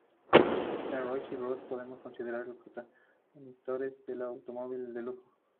A Royce y Rolls los podemos considerar los progenitores del Automóvil de lujo.